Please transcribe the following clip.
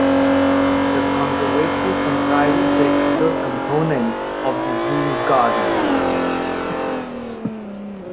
The conservatory comprises the indoor component of the zoo's gardens.